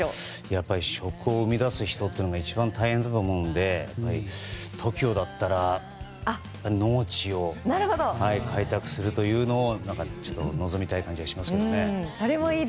やっぱり食を生み出す人って一番大変だと思うのでＴＯＫＩＯなら農地を開拓するというのをちょっと望みたい感じがしますね。